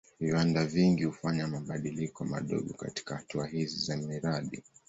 Viwanda vingi hufanya mabadiliko madogo katika hatua hizi za mradi.